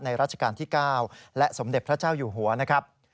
ราชการที่๙และสมเด็จพระเจ้าอยู่หัวนะครับ